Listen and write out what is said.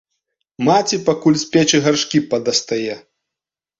Маці пакуль з печы гаршкі падастае.